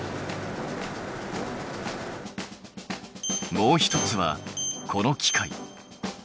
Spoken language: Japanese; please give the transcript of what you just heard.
もう一つはこの機械。